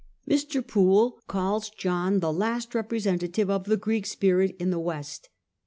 Mr. Poole calls John " the last representative of the Greek spirit in the West